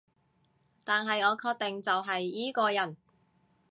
但係我確定就係依個人